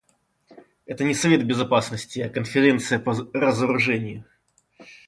Это не Совет Безопасности, а Конференция по разоружению.